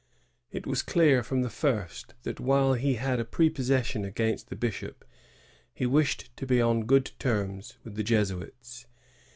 * It was clear from the first that, while he had a prepossession against the bishop, he wished to be on good terms with the Jesuits.